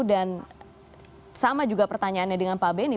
dan sama juga pertanyaannya dengan pak beni